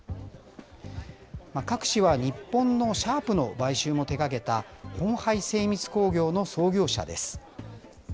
郭氏は日本のシャープの買収も手がけたホンハイ精密工業の創業者です。